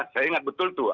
saya ingat betul tuh